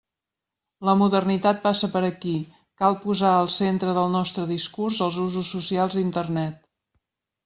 La modernitat passa per aquí, cal posar al centre del nostre discurs els usos socials d'Internet.